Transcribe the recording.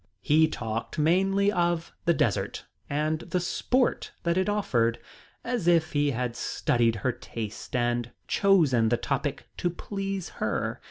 He talked mainly of the desert and the sport that it offered, as if he had studied her tastes and chosen the topic to please her.